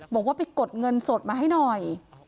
บอกว่าไปกดเงินสดมาให้หน่อย